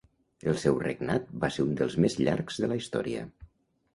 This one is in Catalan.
El seu regnat va ser un dels més llargs de la Història.